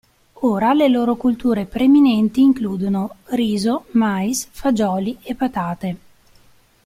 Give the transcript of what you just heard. Ora le loro colture preminenti includono: riso, mais, fagioli e patate.